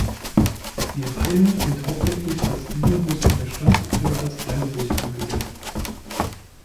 Die Reihe wird hauptsächlich als Linienbus in der Stadt oder als Reisebus eingesetzt.